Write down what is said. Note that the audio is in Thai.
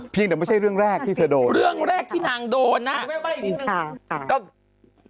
เพียงแต่ไม่ใช่เรื่องแรกที่เธอโดนเรื่องแรกที่นางโดนน่ะไม่อีกครั้ง